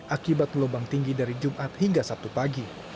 akibat gelombang tinggi dari jumat hingga sabtu pagi